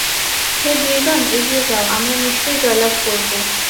হে বীরগণ, এগিয়ে যাও, আমরা নিশ্চয় জয়লাভ করব।